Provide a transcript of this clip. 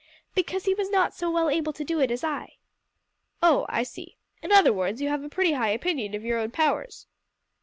"Because he was not so well able to do it as I." "Oh! I see. In other words, you have a pretty high opinion of your own powers."